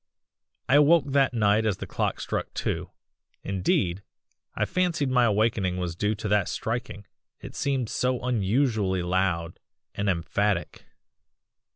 "I awoke that night as the clock struck two indeed, I fancied my awakening was due to that striking, it seemed so unusually loud and emphatic.